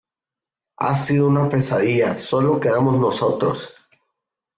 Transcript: ha sido una pesadilla, solo quedamos nosotros.